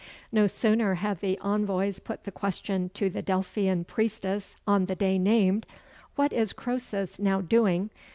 No sooner had the envoys put the question to the Delphian priestess, on the day named, "What is Croesus now doing?"